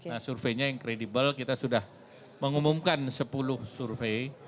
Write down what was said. nah surveinya yang kredibel kita sudah mengumumkan sepuluh survei